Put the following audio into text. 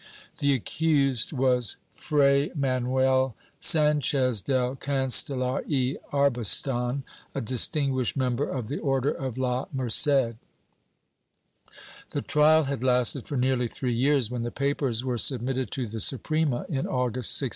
Chap. XVI] UNNATURAL CRIME 369 Manuel Sanchez del Castellar y Arbustan, a distinguished mem ber of the Order of La Merced. The trial had lasted for nearly three years, when the papers were submitted to the Suprema, in August, 1684.